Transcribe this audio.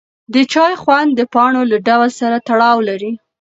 د چای خوند د پاڼو له ډول سره تړاو لري.